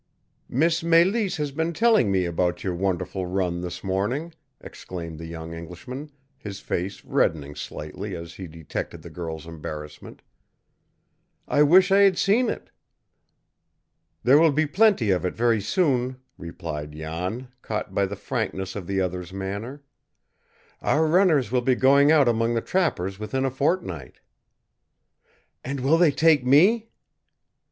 "Miss Mélisse has been telling me about your wonderful run this morning," exclaimed the young Englishman, his face reddening slightly as he detected the girl's embarrassment. "I wish I had seen it!" "There will be plenty of it very soon," replied Jan, caught by the frankness of the other's manner. "Our runners will be going out among the trappers within a fortnight." "And will they take me?"